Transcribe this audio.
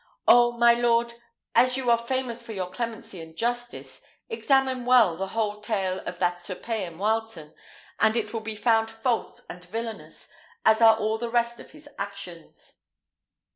Oh! my lord, as you are famous for your clemency and justice, examine well the whole tale of that Sir Payan Wileton, and it will be found false and villanous, as are all the rest of his actions."